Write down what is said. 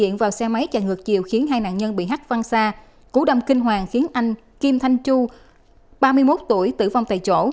hai nạn nhân bị hắt văng xa cú đâm kinh hoàng khiến anh kim thanh chu ba mươi một tuổi tử vong tại chỗ